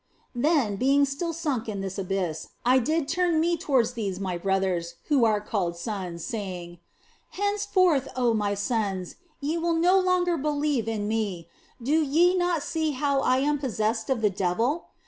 Then, being still sunk in this abyss, I did turn me towards these my brothers (who are called sons), saying :" Henceforth, oh my sons, ye will no longer believe in me ; do ye not see how that I am possessed of the devil